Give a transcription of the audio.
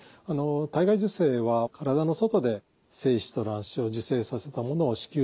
体外受精は体の外で精子と卵子を受精させたものを子宮に戻すと。